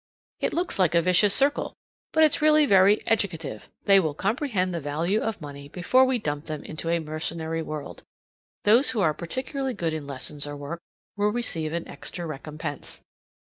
It looks like a vicious circle, but it's really very educative; they will comprehend the value of money before we dump them into a mercenary world. Those who are particularly good in lessons or work will receive an extra recompense.